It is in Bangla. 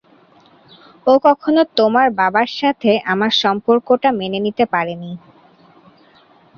ও কখনো তোমার বাবার সাথে আমার সম্পর্কটা মেনে নিতে পারেনি।